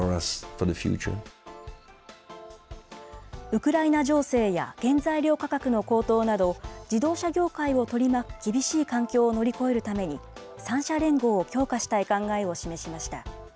ウクライナ情勢や原材料価格の高騰など、自動車業界を取り巻く厳しい環境を乗り越えるために、３社連合を強化したい考えを示しました。